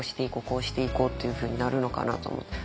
こうしていこう」っていうふうになるのかなと思って。